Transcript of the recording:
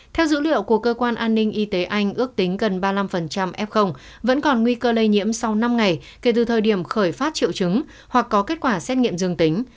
theo dữ liệu của cơ quan an ninh y tế anh ước tính gần ba mươi năm f vẫn còn nguy cơ lây nhiễm sau năm ngày kể từ thời điểm khởi phát triệu chứng hoặc có kết quả xét nghiệm dương tính